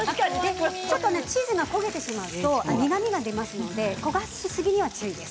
チーズを焦がしてしまうと苦みが出ますので焦がしすぎは注意です。